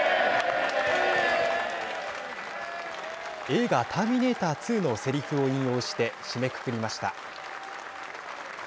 映画ターミネーター２のせりふを引用して締めくくりました。